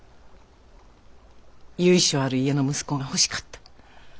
由緒ある家の息子が欲しかった。